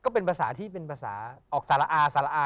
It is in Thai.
ก็เป็นภาษาที่เป็นภาษาออกสารอาสารอา